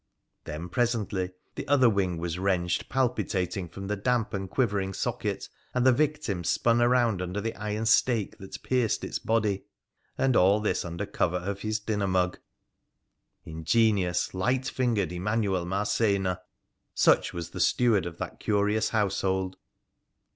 Then, presently, the other wing was wrenched palpitating from the damp and quivering socket, and the victim spun round upon the iron stake that pierced its body. And all this under cover of his dinner mug, ingenious, light fingered Emanuel Marcena ! Such was the steward of that curious household.